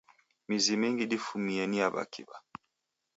Mizi mingi difumie ni ya w'akiw'a.